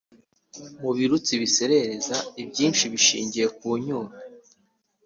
mu birutsi bisesereza, ibyinshi bishingiye ku ncyuro